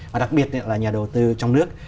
và đặc biệt là nhà đầu tư trong nước